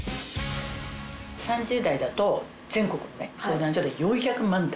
３０代だと全国の相談所で４００万台。